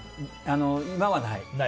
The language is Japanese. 今はない。